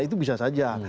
itu bisa saja